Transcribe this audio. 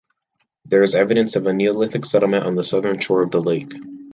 There is evidence of a neolithic settlement on the southern shore of the lake.